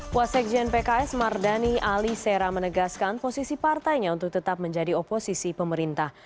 puasek jnpks mardani ali sera menegaskan posisi partainya untuk tetap menjadi oposisi pemerintah